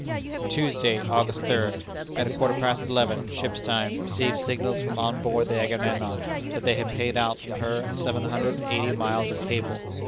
"Tuesday, August third. At a quarter past eleven, ship's time, received signals from on board the Agamemnon, that they had paid out from her seven hundred and eighty miles of cable.